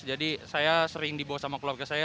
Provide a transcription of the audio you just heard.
jadi saya sering dibawa sama keluarga saya